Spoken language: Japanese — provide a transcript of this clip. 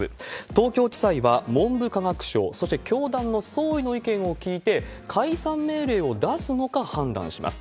東京地裁は、文部科学省、そして教団の総意の意見を聞いて、解散命令を出すのか判断します。